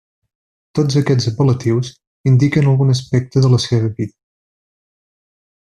Tots aquests apel·latius indiquen algun aspecte de la seva vida.